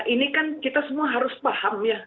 ini kan kita semua harus paham ya